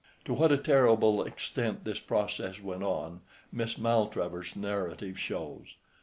To what a terrible extent this process went on, Miss Maltravers's narrative shows.